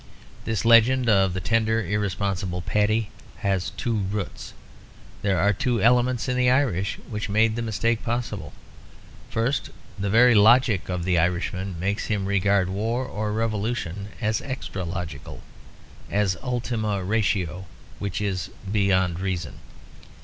This legend of the tender, irresponsible Paddy has two roots; there are two elements in the Irish which made the mistake possible. First, the very logic of the Irishman makes him regard war or revolution as extra logical, an ultima ratio which is beyond reason.